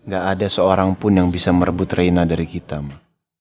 gak ada seorang pun yang bisa merebut reina dari kita mbak